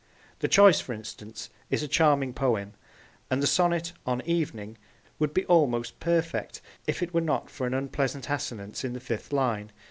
The Choice, for instance, is a charming poem, and the sonnet on Evening would be almost perfect if it were not for an unpleasant assonance in the fifth line.